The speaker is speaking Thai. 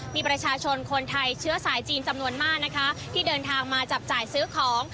มีประชาชนคนไทยเชื้อสายจีนจำนวนมากนะคะที่เดินทางมาจับจ่ายซื้อของ